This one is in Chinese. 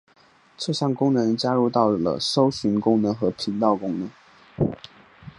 这项功能加入到了搜寻功能和频道功能。